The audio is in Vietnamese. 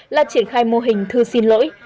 là triển khai mô hình thư xin lỗi